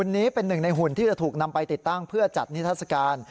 นี้เป็นหนึ่งในหุ่นที่จะถูกนำไปติดตั้งเพื่อจัดนิทัศกาล